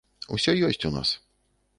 Усё ёсць у нас.